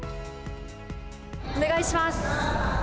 お願いします。